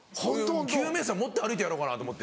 給与明細持って歩いてやろうかなと思って。